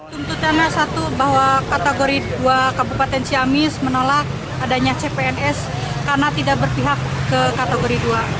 tuntutannya satu bahwa kategori dua kabupaten ciamis menolak adanya cpns karena tidak berpihak ke kategori dua